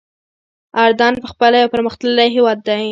اردن پخپله یو پرمختللی هېواد دی.